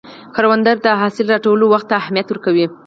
کروندګر د حاصل راټولولو وخت ته اهمیت ورکوي